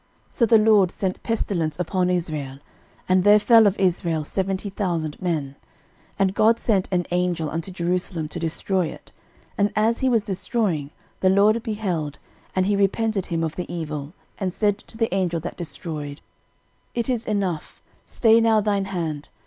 13:021:014 So the LORD sent pestilence upon Israel: and there fell of Israel seventy thousand men. 13:021:015 And God sent an angel unto Jerusalem to destroy it: and as he was destroying, the LORD beheld, and he repented him of the evil, and said to the angel that destroyed, It is enough, stay now thine hand.